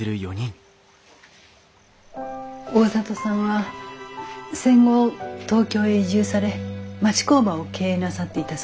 大里さんは戦後東京へ移住され町工場を経営なさっていたそうです。